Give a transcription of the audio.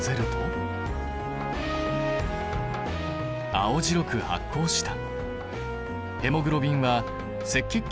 青白く発光した。